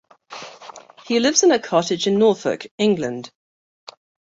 He lives in a cottage in Norfolk, England.